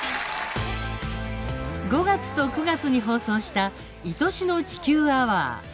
５月と９月に放送した「いとしの地球アワー」。